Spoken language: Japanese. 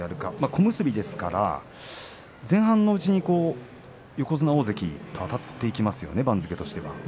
小結ですから前半のうちに横綱大関とあたっていきますよね。